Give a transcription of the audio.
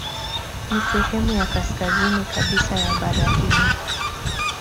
Ni sehemu ya kaskazini kabisa ya bara hilo.